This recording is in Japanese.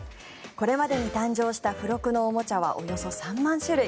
これまでに誕生した付録のおもちゃはおよそ３万種類。